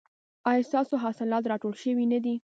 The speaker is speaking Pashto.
ایا ستاسو حاصلات راټول شوي نه دي؟